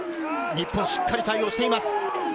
日本、しっかり対応しています。